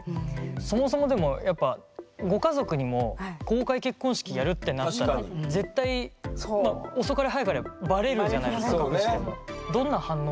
そもそもでもやっぱご家族にも公開結婚式やるってなったら絶対遅かれ早かれバレるじゃないですか隠しても。